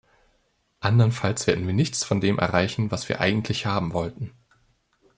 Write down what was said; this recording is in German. Andernfalls werden wir nichts von dem erreichen, was wir eigentlich haben wollten.